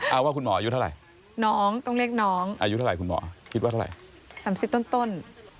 เอาว่าคุณหมออายุเท่าไหร่น้องต้องเรียกน้องอายุเท่าไหร่คุณหมอคิดว่าเท่าไหร่๓๐ต้น